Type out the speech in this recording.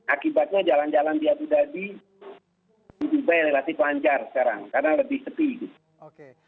akibatnya jalan jalan di abu dhabi di dubai relatif lancar sekarang karena lebih sepi gitu